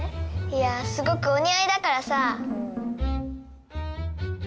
いやすごくお似合いだからさ